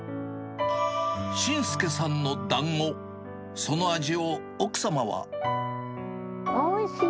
しんすけさんのだんご、おいしい！